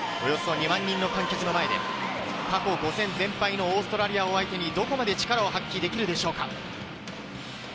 およそ２万人の観客の前で過去５戦全敗のオーストラリアを相手にどこまで力を発揮できるでしょうか。